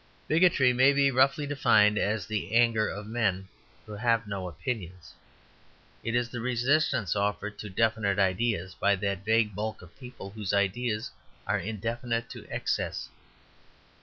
Bigotry may be roughly defined as the anger of men who have no opinions. It is the resistance offered to definite ideas by that vague bulk of people whose ideas are indefinite to excess.